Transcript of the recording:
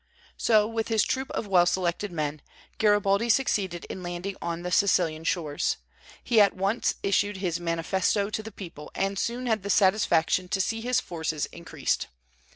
So, with his troop of well selected men, Garibaldi succeeded in landing on the Sicilian shores. He at once issued his manifesto to the people, and soon had the satisfaction to see his forces increased.